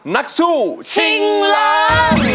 นักสู้ชิงล้าน